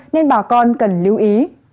nên bà con cần lưu ý